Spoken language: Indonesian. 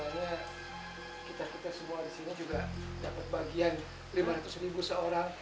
akhirnya kita kita semua di sini juga dapat bagian lima ratus ribu seorang